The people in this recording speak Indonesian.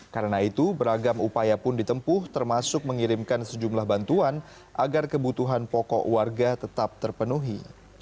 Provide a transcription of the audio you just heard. karena itu beragam upaya pun ditempuh termasuk mengirimkan sejumlah bantuan agar kebutuhan pokok warga tetap terpenuhi